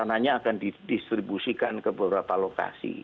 dan peranannya akan didistribusikan ke beberapa lokasi